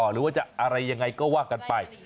หรือว่าจะอะไรยังไงก็ว่ากันไป